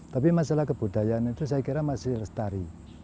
tapi masalah kebudayaan itu saya kira masih lestari